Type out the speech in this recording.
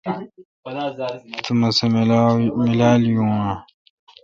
تو مہ سہ میلال یون اؘ۔